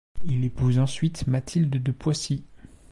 Il épouse ensuite Mathilde de Poissy.